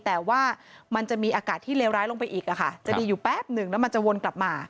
แต่ว่ามันจะมีอากาศที่เลวร้ายลงไปอีกจะดีอยู่แป๊บหนึ่งแล้วมันจะวนกลับมา